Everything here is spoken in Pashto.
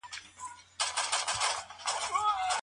ډاکټران وايي د ټول عمر لپاره متوازن خوراک غوره دی.